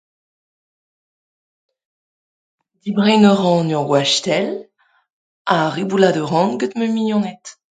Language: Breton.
Debriñ a ran ur wastell ha riboulat a ran gant ma mignoned.